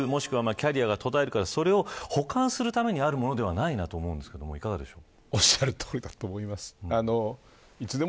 もしくはキャリアが途絶えるからそれを補完するためにあるものじゃないと思うんですがいかがですか。